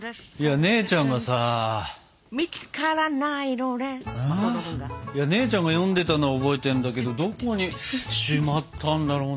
姉ちゃんが読んでたのは覚えてんだけどどこにしまったんだろうな。